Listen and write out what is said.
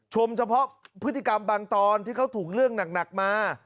เฉพาะพฤติกรรมบางตอนที่เขาถูกเรื่องหนักมา